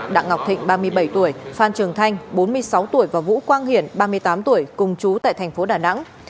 đặng ngọc thịnh ba mươi bảy tuổi phan trường thanh bốn mươi sáu tuổi và vũ quang hiển ba mươi tám tuổi cùng chú tại thành phố đà nẵng